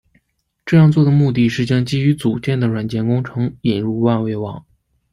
这样做的目的是将基于组件的软件工程引入万维网。